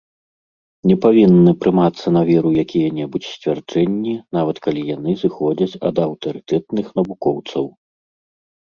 Не павінны прымацца на веру якія-небудзь сцвярджэнні, нават калі яны зыходзяць ад аўтарытэтных навукоўцаў.